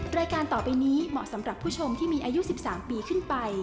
รายการต่อไปนี้เหมาะสำหรับผู้ชมที่มีอายุ๑๓ปีขึ้นไป